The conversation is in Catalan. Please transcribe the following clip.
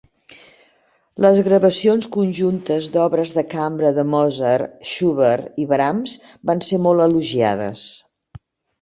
Les gravacions conjuntes d'obres de cambra de Mozart, Schubert i Brahms van ser molt elogiades.